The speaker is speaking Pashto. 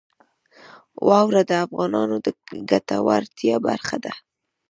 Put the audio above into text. واوره د افغانانو د ګټورتیا برخه ده.